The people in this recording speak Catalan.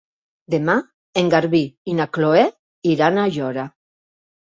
Demà en Garbí i na Chloé iran a Aiora.